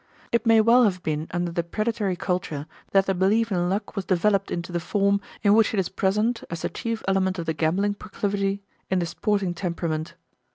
It may well have been under the predatory culture that the belief in luck was developed into the form in which it is present, as the chief element of the gambling proclivity, in the sporting temperament.